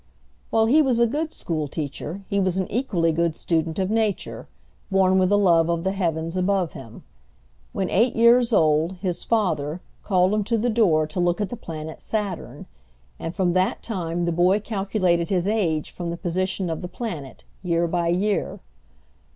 While he was a good school teacher, he was an equally good student of nature, born with a love of the heavens above him. When eight years old, his father called him to the door to look at the planet Saturn, and from that time the boy calculated his age from the position of the planet, year by year.